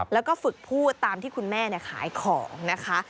แล้วก็ฝึกพูดตามที่คุณแม่ขายของนะคะ